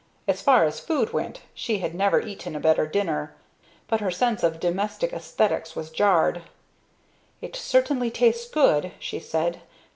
As far as food went, she had never eaten a better dinner. But her sense of Domestic Aesthetics was jarred. "It certainly tastes good," she said.